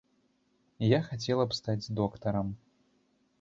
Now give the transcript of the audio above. Я хацела б стаць доктарам.